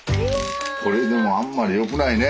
これでもあんまり良くないね。